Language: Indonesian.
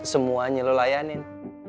semuanya lu layanin